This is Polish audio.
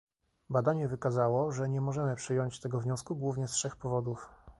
Badanie wykazało, że nie możemy przyjąć tego wniosku, głownie z trzech powodów